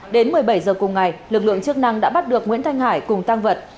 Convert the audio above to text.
đến một mươi bảy h cùng ngày lực lượng chức năng đã bắt được nguyễn thanh hải cùng tăng vật